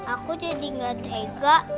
aku jadi gak tega